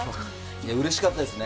うれしかったですね。